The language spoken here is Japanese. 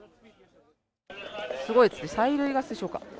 すごいですね、催涙ガスでしょうか。